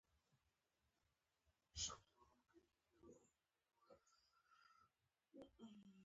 بوریس ماشوم له لارې نه پورته کړ.